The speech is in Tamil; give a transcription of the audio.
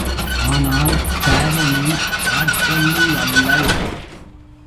ஆனால் தாரிணி ஆட்கொல்லி யல்லள்!